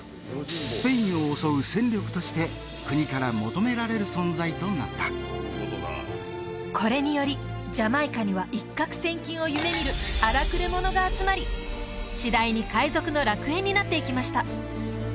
スペインを襲う戦力として国から求められる存在となったこれによりジャマイカには一獲千金を夢みる荒くれ者が集まりしだいに海賊の楽園になっていきました